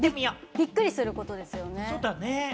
びっくりすることですよね？